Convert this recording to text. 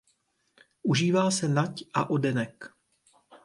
Užívá se nať a oddenek.